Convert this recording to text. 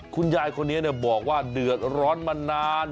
คุณยายคนนี้บอกว่าเดือดร้อนมานาน